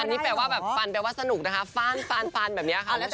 ฟันนี้แปลว่าฟันแปลว่าสนุกนะคะฟันฟันฟันแบบนี้ค่ะคุณผู้ชม